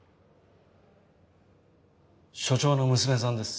署長の娘さんです。